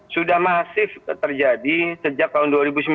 sudah masif terjadi sejak tahun dua ribu sembilan belas